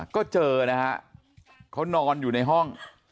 ก็เจอนะฮะเขานอนอยู่ในห้อง